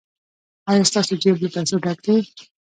ایا ستاسو جیب له پیسو ډک دی؟